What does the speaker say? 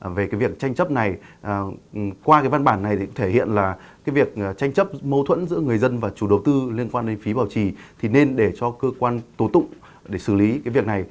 về cái việc tranh chấp này qua cái văn bản này thì thể hiện là cái việc tranh chấp mâu thuẫn giữa người dân và chủ đầu tư liên quan đến phí bảo trì thì nên để cho cơ quan tổ tụng để xử lý cái việc này